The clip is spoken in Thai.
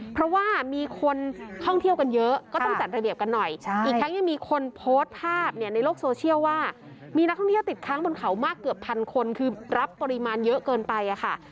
เพราะว่ามีคนท่องเที่ยวกันเยอะก็ต้องจัดระเบียบกันหน่อยอีกทั้งยังมีคนโพสต์ภาพเนี่ยในโลกโซเชียลว่ามีนักท่องเที่ยวติดค้างบนเขามากเกือบพันคนคือรับปริมาณเยอะเกินไปค่ะ